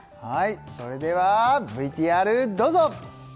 それではＶＴＲどうぞ！